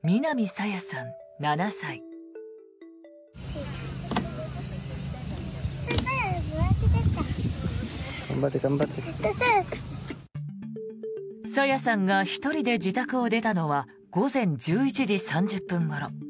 朝芽さんが１人で自宅を出たのは午前１１時３０分ごろ。